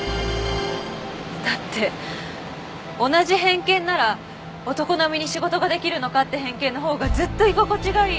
だって同じ偏見なら男並みに仕事が出来るのかって偏見のほうがずっと居心地がいい。